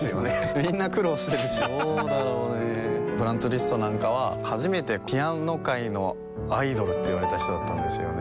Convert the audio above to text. みんな苦労してるしフランツ・リストなんかは初めてピアノ界のアイドルと言われた人だったのですよね